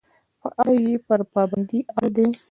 په اړه یې پر پابندۍ اړ دي.